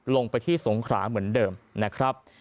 ลงไปที่สงขราเหมือนเดิมนะครับ